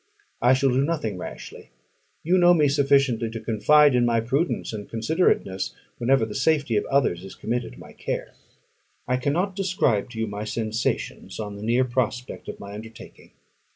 I shall do nothing rashly: you know me sufficiently to confide in my prudence and considerateness, whenever the safety of others is committed to my care. I cannot describe to you my sensations on the near prospect of my undertaking.